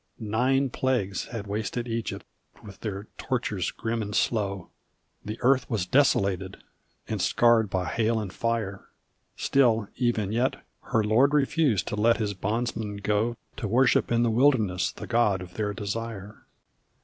Nine plagues had wasted Egypt with their tortures grim and slow; The earth was desolated, and scarred by hail and fire; Still even yet her Lord refused to let his bondsmen go To worship in the wilderness, the God of their desire.